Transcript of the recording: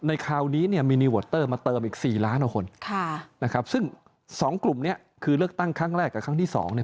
ในคราวนี้เนี่ยมินิวอร์เตอร์มาเติมอีก๔ล้านกว่าคนซึ่ง๒กลุ่มเนี่ยคือเลือกตั้งครั้งแรกกับครั้งที่๒เนี่ย